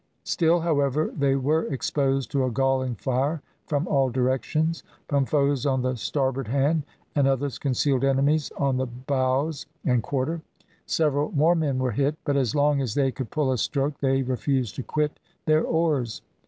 Still, however, they were exposed to a galling fire from all directions; from foes on the starboard hand, and other concealed enemies on the bows and quarter. Several more men were hit, but as long as they could pull a stroke they refused to quit their oars.